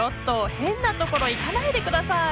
変なところ行かないで下さい！